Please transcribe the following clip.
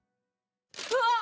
うわっ！